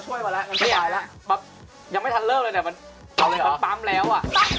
มีนี่ด่วนมีแต่ตัวช่วยกว่าแล้ว